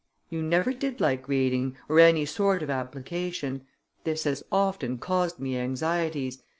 You never did like reading, or any sort of application: this has often caused me anxieties.